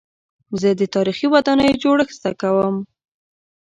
زه د تاریخي ودانیو جوړښت زده کوم.